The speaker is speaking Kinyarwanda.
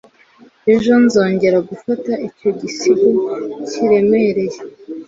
Ejo nzongera gufata icyo gisigo kiremereye